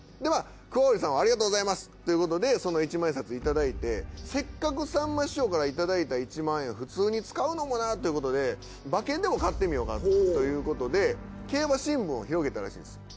桑折さんはありがとうございますということでその一万円札頂いてせっかくさんま師匠から頂いた１万円普通に使うのもなということで馬券でも買ってみようかということで競馬新聞を広げたらしいんですよ。